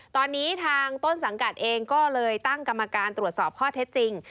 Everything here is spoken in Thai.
ตอนนี้ทางต้นสังกัดเองก็เลยตั้งกรรมการตรวจสอบข้อเท็จจริง